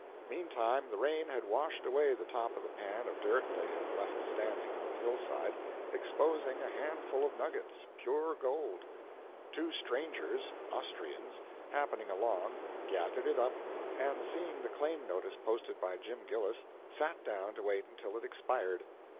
Meantime the rain had washed away the top of the pan of dirt they had left standing on the hillside, exposing a handful of nuggets, pure gold. Two strangers, Austrians, happening along, gathered it up and, seeing the claim notice posted by Jim Gillis, sat down to wait until it expired.